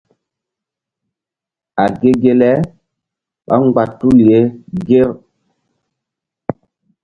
A ge ge le ɓá mgba tul ye ŋger.